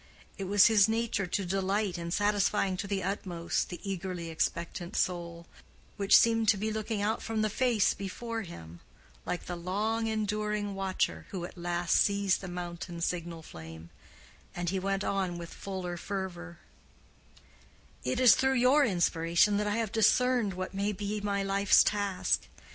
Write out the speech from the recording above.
It was his nature to delight in satisfying to the utmost the eagerly expectant soul, which seemed to be looking out from the face before him, like the long enduring watcher who at last sees the mountain signal flame; and he went on with fuller fervor, "It is through your inspiration that I have discerned what may be my life's task.